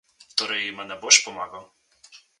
Torej jima ne boš pomagal?